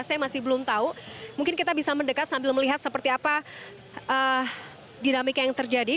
saya masih belum tahu mungkin kita bisa mendekat sambil melihat seperti apa dinamika yang terjadi